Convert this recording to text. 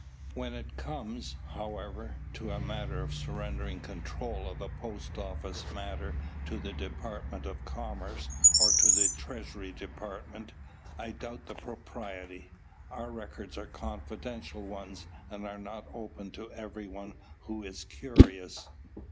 When it comes, however, to a matter of surrendering control of a Post Office matter to the Department of Commerce or to the Treasury Department, I doubt the propriety. Our records are confidential ones and are not open to everyone who is curious.